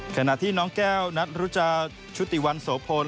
ขณะที่น้องแก้วนัทรุจาชุติวันโสพล